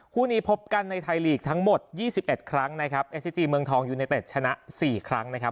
คู่นี้พบกันในไทยลีกทั้งหมดยี่สิบเอ็ดครั้งนะครับเอสซิจีเมืองทองยูเนเต็ดชนะ๔ครั้งนะครับ